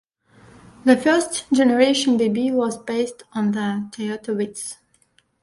The first-generation bB was based on the Toyota Vitz.